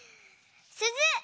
すず！